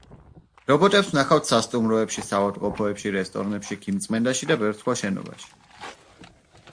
რობოტებს ვნახავთ სასტუმროებში, საავადმყოფოებში, რესტორნებში, ქიმწმენდაში და ბევრ სხვა შენობაში.